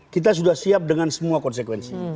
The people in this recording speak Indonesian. kita sudah siap dengan semua konsekuensi